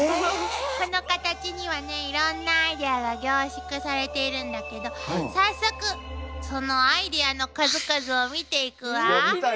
このカタチにはねいろんなアイデアが凝縮されているんだけど早速そのアイデアの数々を見ていくわあ。